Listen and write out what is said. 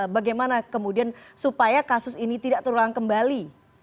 bagaimana kemudian supaya kasus ini tidak terulang kembali